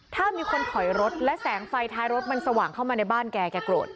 ถ้ามีคนถอยรถและแสงไฟท้ายรถมันสว่างเข้ามาในบ้านแกแกโกรธ